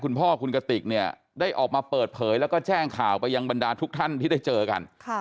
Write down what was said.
คุณพ่อคุณกติกเนี่ยได้ออกมาเปิดเผยแล้วก็แจ้งข่าวไปยังบรรดาทุกท่านที่ได้เจอกัน